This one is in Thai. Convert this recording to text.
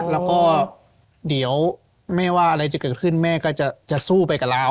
แล้วก็เดี๋ยวแม่ว่าอะไรจะเกิดขึ้นแม่ก็จะสู้ไปกับเรา